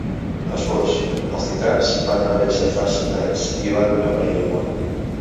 Esbós: Els titans van aparèixer fa cent anys i van envair el món.